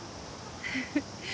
フフ